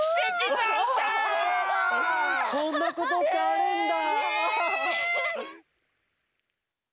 すごい！こんなことってあるんだ。